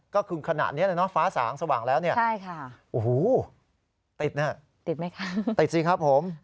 ก็คือขณะนี้นะฟ้าสางสว่างแล้วเนี่ยโอ้โหติดนะติดไหมคะติดสิครับผม